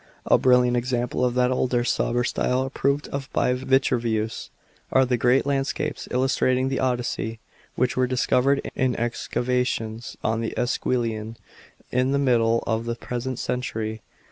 A brilliant example of that older, sober style, approved of by Vitruvius, are the great landscapes illustrating the Odyssey, which were discovered in excavations on the Esquiline in the middle of the present century.